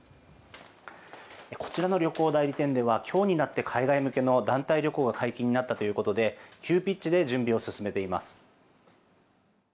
こちらの旅行代理店では今日になって海外向けの団体旅行が解禁になったということで急ピッチで準備を進めています。